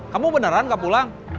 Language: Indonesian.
kamu beneran gak pulang